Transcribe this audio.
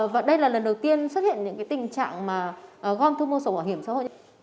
và đây là lần đầu tiên xuất hiện những tình trạng mà gom thu mua sổ bảo hiểm xã hội